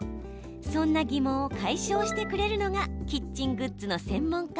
そんな疑問を解消してくれるのがキッチングッズの専門家